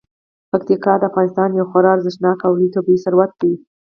پکتیکا د افغانستان یو خورا ارزښتناک او لوی طبعي ثروت دی.